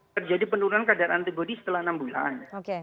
terjadi penurunan kadar antibody setelah enam bulan